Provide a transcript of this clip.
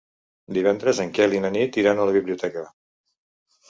Divendres en Quel i na Nit iran a la biblioteca.